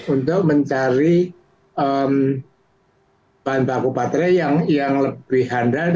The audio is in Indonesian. untuk mencari bahan baku baterai yang lebih handal